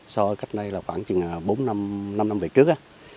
so với cách nay là khoảng bốn năm năm về trước